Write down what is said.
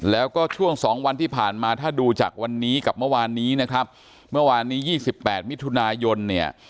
แล้วก็ช่วง๒วันที่ผ่านมาถ้าดูจากวันนี้กับเมื่อวานนี้นะครับเมื่อวานนี้๒๘มิถุนายนเนี่ย